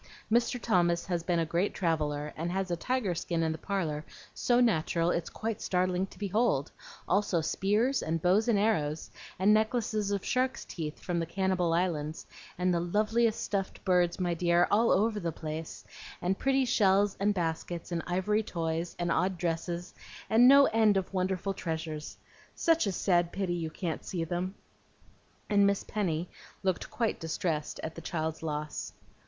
Mr. Thomas has been a great traveller, and has a tiger skin in the parlor so natural it's quite startling to behold; also spears, and bows and arrows, and necklaces of shark's teeth, from the Cannibal Islands, and the loveliest stuffed birds, my dear, all over the place, and pretty shells and baskets, and ivory toys, and odd dresses, and no end of wonderful treasures. Such a sad pity you can't see them!" and Miss Penny looked quite distressed at the child's loss.